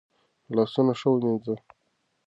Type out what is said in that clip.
لاسونه ښه ومینځه.